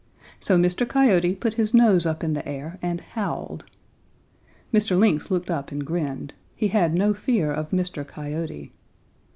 So Mr. Coyote put his nose up in the air and howled. Mr. Lynx looked up and grinned. He had no fear of Mr. Coyote.